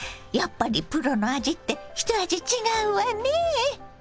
やっぱりプロの味って一味違うわね。